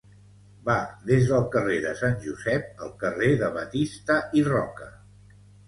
Va des del carrer de Sant Josep al carrer de Batista i Roca.